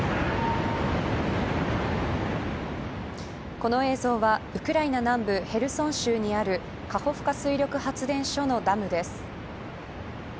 この映像はウクライナ南部ヘルソン州にあるカホフカ水力発電所のダムです。